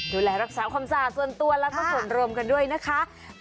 ดูแลรักษาความสะอาดส่วนตัวแล้วก็ส่วนรวมกันด้วยนะคะ